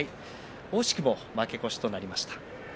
惜しくも負け越しとなりました。